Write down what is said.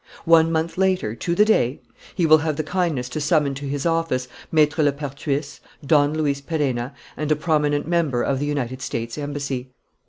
One month later, to the day, he will have the kindness to summon to his office Maître Lepertuis, Don Luis Perenna, and a prominent member of the United States Embassy.